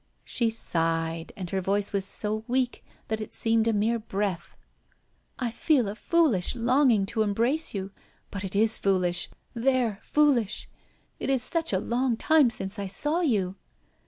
She sighed, and her voice was so weak that it seemed a mere breath. "I feel a foolish longing to embrace you, but it is foolish there! foolish. It is such a long time since I saw you!"